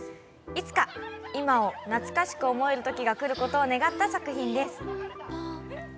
いつか、「今」を懐かしく思えるときが来ることを願った作品です。